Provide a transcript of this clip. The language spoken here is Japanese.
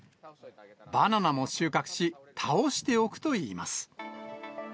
バナナも収穫し、倒しておくといいます。